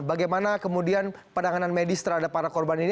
bagaimana kemudian penanganan medis terhadap para korban ini